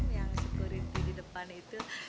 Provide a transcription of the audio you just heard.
yang security di depan itu